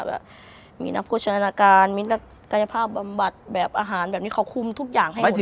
แบบมีนักโภชนาการมีนักกายภาพบำบัดแบบอาหารแบบนี้เขาคุมทุกอย่างให้จริง